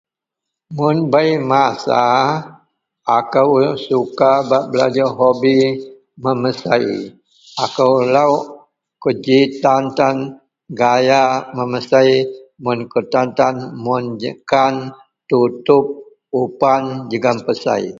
Mun bei masa akou suka bak belajer hobi memesei, akou lok kuji tan tan gaya memesei mun ku tan tan gaya jekan tutup upan jegem pesei